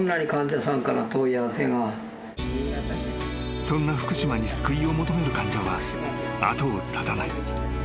［そんな福島に救いを求める患者は後を絶たない］